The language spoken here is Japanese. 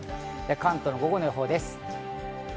関東の午後の予報です。